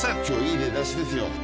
今日いい出だしですよ。